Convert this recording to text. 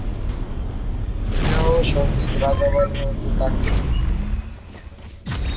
বিরহ-সঙ্গীত রাজা বলা হত তাকে।